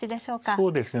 そうですね